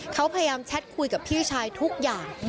เขาพยายามแชทคุยกับพี่ชายทุกอย่าง